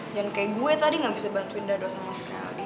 jangan kayak gua tadi ga bisa bantuin dado sama skaldi